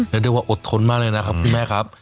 นักเรียกว่าอดทนมากเลยนะครับพี่แม่ครับ